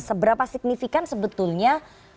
seberapa signifikan sebetulnya